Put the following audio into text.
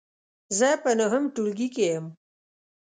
زه په نهم ټولګې کې یم .